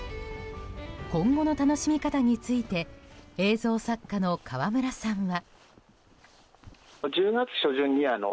今後の楽しみ方について映像作家の川村さんは。